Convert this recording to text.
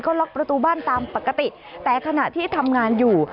ก็ล็อกประตูบ้านตามปกติแต่ขณะที่ทำงานอยู่